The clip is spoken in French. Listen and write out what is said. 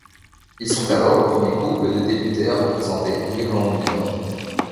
Ils sont alors le premier couple de députés à représenter l'Irlande du Nord.